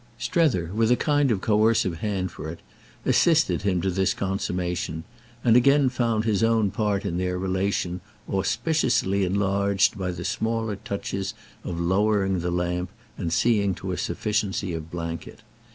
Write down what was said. Strether, with a kind coercive hand for it, assisted him to this consummation, and again found his own part in their relation auspiciously enlarged by the smaller touches of lowering the lamp and seeing to a sufficiency of blanket.